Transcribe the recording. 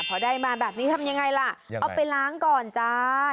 พอได้มาแบบนี้ทำยังไงล่ะเอาไปล้างก่อนจ้า